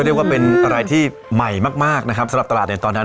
เรียกว่าเป็นอะไรที่ใหม่มากมากนะครับสำหรับตลาดในตอนนั้น